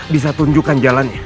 bisa tunjukkan jalannya